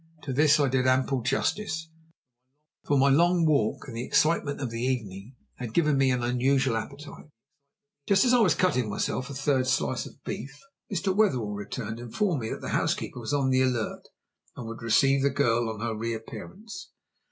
To this I did ample justice, for my long walk and the excitement of the evening had given me an unusual appetite. Just as I was cutting myself a third slice of beef Mr. Wetherell returned, and informed me that the housekeeper was on the alert, and would receive the girl on her reappearance.